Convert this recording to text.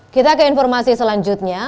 kita ke informasi selanjutnya